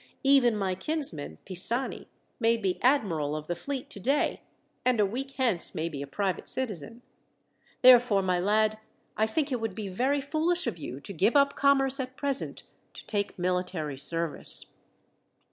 Even my kinsman, Pisani, may be admiral of the fleet today, and a week hence may be a private citizen. Therefore, my lad, I think it would be very foolish of you to give up commerce at present to take military service."